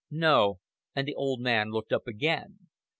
"No." And the old man looked up again.